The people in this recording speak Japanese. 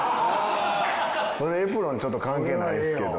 それエプロンちょっと関係ないですけど。